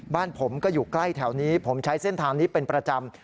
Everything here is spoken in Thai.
บ้านผมก็อยู่ใกล้แถวนี้ผมใช้เส้นทางนี้เป็นประจำ